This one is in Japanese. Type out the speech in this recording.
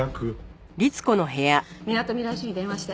みなとみらい署に電話して。